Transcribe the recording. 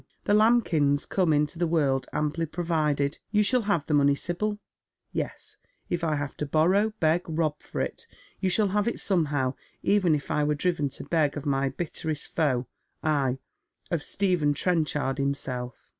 The lambkins come into the world amply provided. You shall have the money, Sibyl. Yes, if I have to borrow, beg, rob for it. You shall have it somehow, even if I were driven to beg of my bitterest foe, ay, of Stephen Trenchard himself."